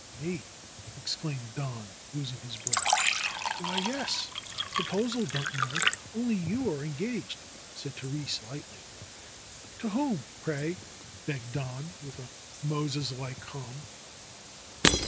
"Me !" exclaimed Don, losing his breath. "Why, yes. Proposal, don't you know? Only you are engaged," said Therese lightly. "To whom, pray?" begged Don, with a Moses like calm.